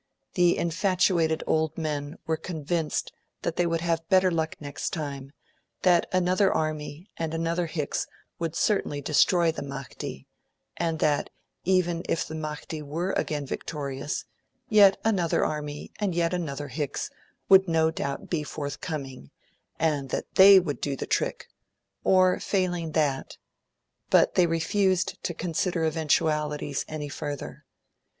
The infatuated old men were convinced that they would have better luck next time, that another army and another Hicks would certainly destroy the Mahdi, and that, even if the Mahdi were again victorious, yet another army and yet another Hicks would no doubt be forthcoming, and that THEY would do the trick, or, failing that ... but they refused to consider eventualities any further.